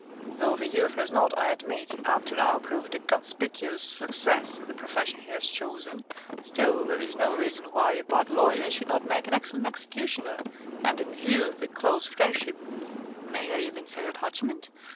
Though the youth has not, I admit, up to now proved a conspicuous success in the profession he has chosen, still there is no reason why a bad lawyer should not make an excellent executioner; and in view of the close friendship may I even say attachment?